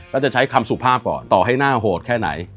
แล้วจะใช้คำสุภาพก่อนต่อให้หน้าโหดแค่ไหน